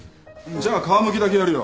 じゃあ皮むきだけやるよ。